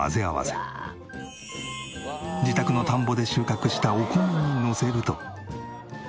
自宅の田んぼで収穫したお米にのせると。